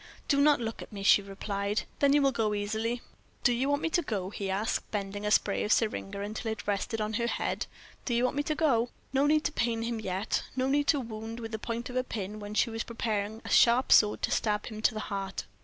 "Do not look at me," she replied, "then you will go easily enough." "Do you want me to go?" he asked, bending a spray of syringa until it rested on her head. "Do you want me to go?" No need to pain him yet. No need to wound with the point of a pin when she was preparing a sharp sword to stab him to the heart.